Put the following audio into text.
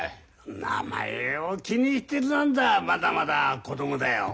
名前を気にしてるなんざまだまだ子供だよ。